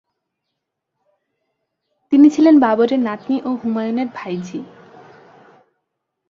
তিনি ছিলেন বাবর এর নাতনি ও হুমায়ুন এর ভাইঝি।